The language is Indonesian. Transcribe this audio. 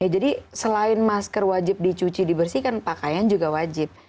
jadi selain masker wajib dicuci dibersihkan pakaian juga wajib